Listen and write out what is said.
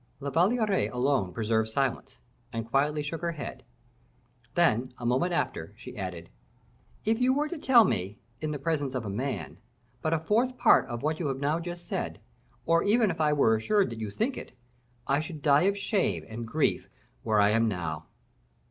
La Valliere alone preserved silence, and quietly shook her head. Then, a moment after, she added, "If you were to tell me, in the presence of a man, but a fourth part of what you have just said, or even if I were assured that you think it, I should die of shame and grief where I am now."